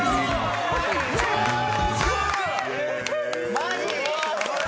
マジ？